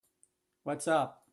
What's up?